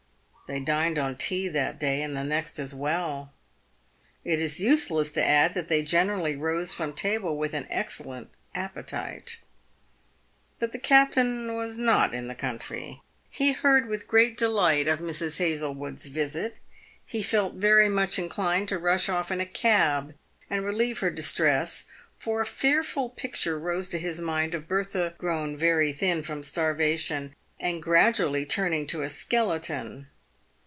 They dined on tea that day and the next as well. It is useless to add that they generally rose from table with an ex cellent appetite. But the captain was not in the country. He heard with great de light of Mrs. Hazlewood's visit. He felt very much inclined to rush off in a cab and relieve her distress, for a fearful picture rose to his mind of Bertha grown very thin from starvation, and gradually turning to a skeleton.